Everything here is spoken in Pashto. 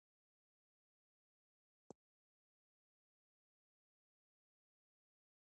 مور د کورنۍ د پاکوالي لپاره د کورني توکو څخه کار اخلي.